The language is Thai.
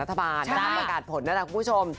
ต่างจากประกาศผลน่าทั้งผู้ชม